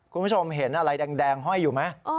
คุณผู้ชมเห็นอะไรแดงห้อยอยู่ไหม